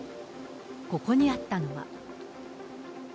ここにあったのは。